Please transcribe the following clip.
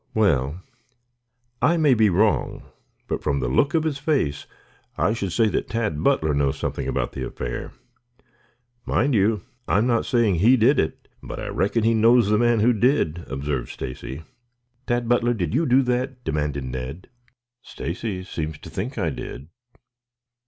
"Well, I may be wrong, but from the look of his face, I should say that Tad Butler knows something about the affair. Mind you, I'm not saying he did it, but I reckon he knows the man who did," observed Stacy. "Tad Butler, did you do that?" demanded Ned. "Stacy seems to think I did."